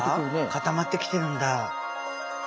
固まってきてるんだ。